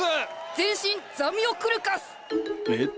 全身ザミオクルカス！えっ？